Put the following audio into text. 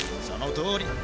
そのとおり。